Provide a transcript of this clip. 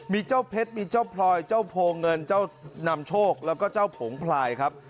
มีเจ้าเพชรมีเจ้าพลอยเจ้าโพเงินเจ้านำโชคแล้วก็เจ้าผงพลายครับ